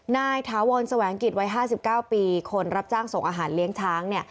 ถาวรแสวงกิจวัย๕๙ปีคนรับจ้างส่งอาหารเลี้ยงช้าง